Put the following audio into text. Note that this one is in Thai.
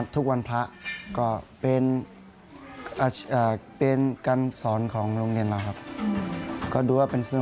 ทุกวันพระ